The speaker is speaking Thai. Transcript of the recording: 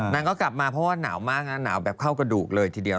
นางก็กลับมาเพราะว่าหนาวมากนะหนาวแบบเข้ากระดูกเลยทีเดียว